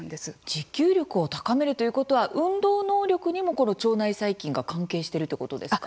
持久力を高めるということは運動能力にもこの腸内細菌が関係しているということですか？